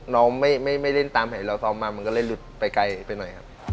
น้องไม่เล่นตามหายเราซ้อมมามันก็เลยหลุดไปไกลไปหน่อยครับ